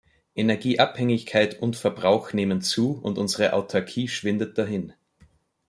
Energieabhängigkeit und -verbrauch nehmen zu, und unsere Autarkie schwindet dahin.